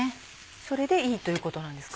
それでいいということなんですか？